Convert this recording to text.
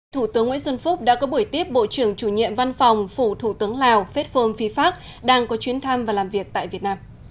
thủ tướng nguyễn xuân phúc đã có buổi tiếp bộ trưởng chủ nhiệm văn phòng phủ thủ tướng lào phết phông phi pháp đang có chuyến thăm và làm việc tại việt nam